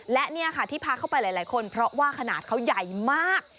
และนี่ค่ะที่พาเข้าไปหลายคนเพราะว่าขนาดเขาใหญ่มาก